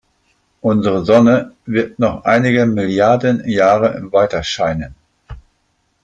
Unsere Sonne wird noch einige Milliarden Jahre weiterscheinen.